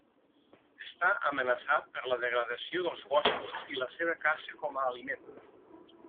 Està amenaçat per la degradació dels boscos i la seva caça com a aliment.